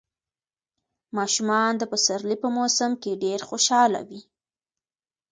ماشومان د پسرلي په موسم کې ډېر خوشاله وي.